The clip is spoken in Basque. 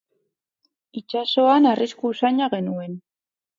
Itsasoan arrisku usaina genuen.